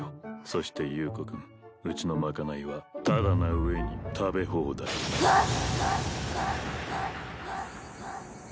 そして優子君うちのまかないはタダな上に食べ放題はっ！